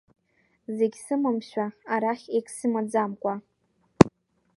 Зегь сымамшәа, арахь егьсымаӡамкәа…